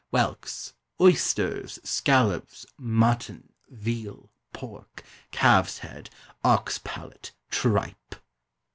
WHELKS. OYSTERS. SCALLOPS. MUTTON. VEAL. PORK. CALF'S HEAD. OX PALATE. TRIPE.